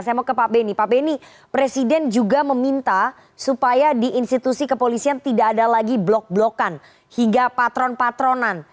saya mau ke pak benny pak beni presiden juga meminta supaya di institusi kepolisian tidak ada lagi blok blokan hingga patron patronan